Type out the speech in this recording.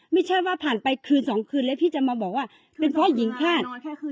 ไม่ใช่ว่าผ่านไปคืนสองคืนแล้วพี่จะมาบอกว่าเป็นเพราะหญิงแพทย์